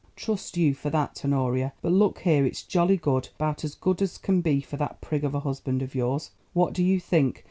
"Trust you for that, Honoria; but look here, it's jolly good, about as good as can be for that prig of a husband of yours. What do you think?